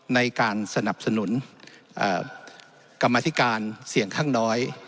ในการสนับสนุนกรรมธิการเสี่ยงข้างน้อย